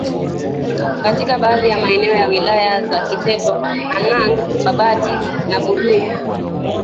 katika baadhi ya maeneo ya Wilaya za Kiteto Hanang Babati na Mbulu